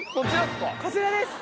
こちらですか。